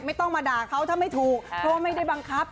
ไม่ต้องมาด่าเขาถ้าไม่ถูกเพราะว่าไม่ได้บังคับ